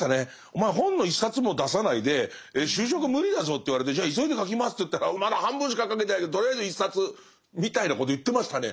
「お前本の一冊も出さないで就職無理だぞ」って言われてじゃあ急いで書きますっていったらまだ半分しか書けてないけどとりあえず一冊みたいなこと言ってましたね。